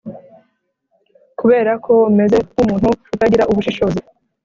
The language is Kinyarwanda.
Kubera ko umeze nk umuntu utagira ubushishozi